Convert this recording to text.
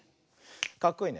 かっこいいね。